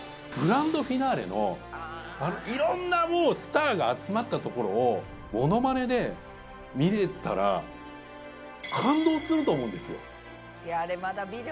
いろんなスターが集まったところをものまねで見られたら感動すると思うんですよ。